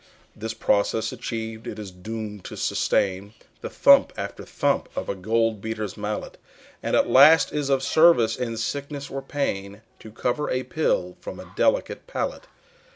This process achiev'd, it is doom'd to sustain The thump after thump of a gold beater's mallet, And at last is of service in sickness or pain To cover a pill from a delicate palate.